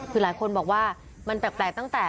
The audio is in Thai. คือหลายคนบอกว่ามันแปลกตั้งแต่